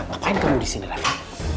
ngapain kamu di sini reva